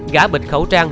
gã bịch khẩu trang